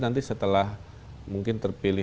nanti setelah mungkin terpilih